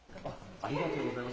ありがとうございます。